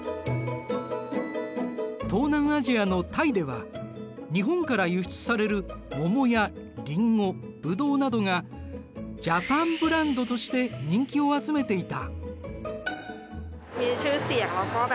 東南アジアのタイでは日本から輸出される桃やリンゴブドウなどがＪＡＰＡＮブランドとして人気を集めていた。